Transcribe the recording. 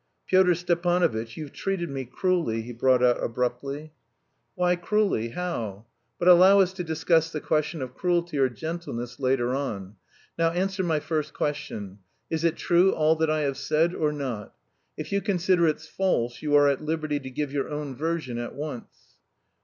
"Pyotr Stepanovitch, you've treated me cruelly," he brought out abruptly. "Why cruelly? How? But allow us to discuss the question of cruelty or gentleness later on. Now answer my first question; is it true all that I have said or not? If you consider it's false you are at liberty to give your own version at once."